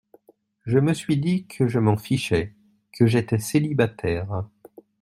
Je me suis dit que je m’en fichais, que j’étais célibataire.